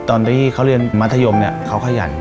ตอนที่เขาเรียนมัธยมเนี่ยเขาขยัน